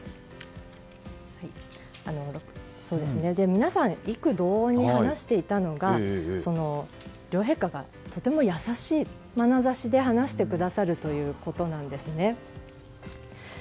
皆さん異口同音に話していたのですが両陛下がとても優しいまなざしで話してくださるということなんですね。